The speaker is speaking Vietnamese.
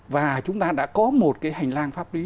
và chúng ta đã có một cái hành lang pháp lý